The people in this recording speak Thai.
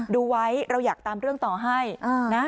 ดูไว้เราอยากตามเรื่องต่อให้นะ